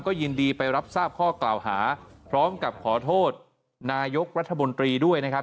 ยินดีไปรับทราบข้อกล่าวหาพร้อมกับขอโทษนายกรัฐมนตรีด้วยนะครับ